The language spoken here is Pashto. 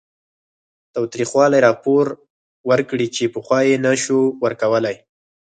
تاوتریخوالي راپور ورکړي چې پخوا یې نه شو ورکولی